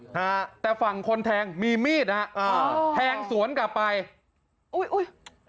ฮะแต่ฝั่งคนแทงมีมีดฮะอ่าแทงสวนกลับไปอุ้ยอุ้ย